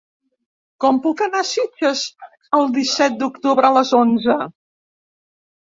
Com puc anar a Sitges el disset d'octubre a les onze?